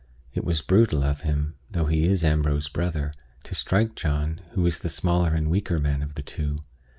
It was brutal of him though he is Ambrose's brother to strike John, who is the smaller and weaker man of the two.